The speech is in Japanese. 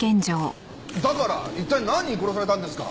だから一体何人殺されたんですか？